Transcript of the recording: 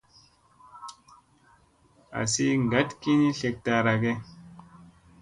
Azi ngat ki ni slek ta ara ge.